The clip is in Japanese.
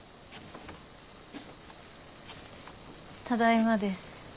ただいまです。